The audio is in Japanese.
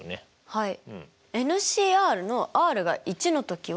はい。